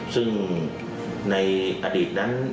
ซึ่งในอดีตนั้น